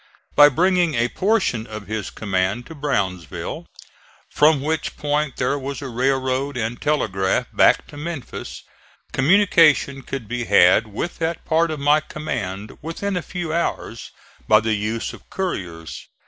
By bringing a portion of his command to Brownsville, from which point there was a railroad and telegraph back to Memphis, communication could be had with that part of my command within a few hours by the use of couriers.